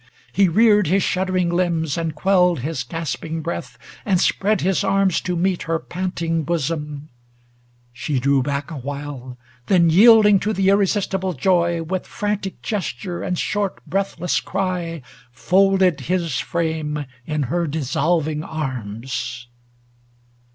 He reared his shuddering limbs, and quelled 36 ALASTOR His gasping breatli, aud spread his arms to meet Her panting bosom : ŌĆö she drew back awhile, Then, yielding to the irresistible joy, With frantic gesture and sliort breathless cry Folded his frame in her dissolving arms.